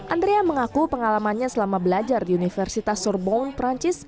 andrea mengaku pengalamannya selama belajar di universitas turbon perancis